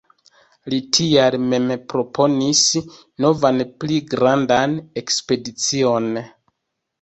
Li tial mem proponis novan pli grandan ekspedicion.